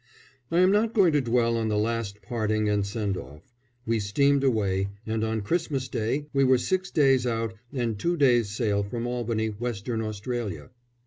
I am not going to dwell on the last parting and send off. We steamed away, and on Christmas Day we were six days out and two days' sail from Albany, Western Australia.